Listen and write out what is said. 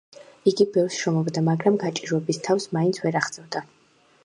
იგი ბევრს შრომობდა, მაგრამ გაჭირვებას თავს მაინც ვერ აღწევდა.